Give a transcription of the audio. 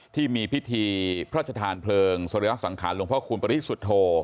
ที่มีพิธีพระอาจารย์เพลิงศรีรักษ์สังขารหลวงพ่อคูณปริศุโธ